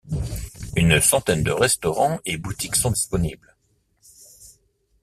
Une centaine de restaurants et boutiques sont disponibles.